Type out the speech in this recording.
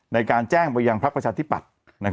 ในการแจ้งบริยางพลักษณ์ประชาธิบัติ